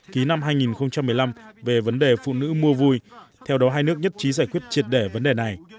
ký năm hai nghìn một mươi năm về vấn đề phụ nữ mua vui theo đó hai nước nhất trí giải quyết triệt để vấn đề này